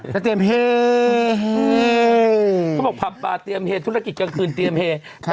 จะเตรียมเห